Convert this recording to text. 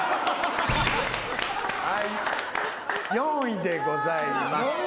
はい４位でございます。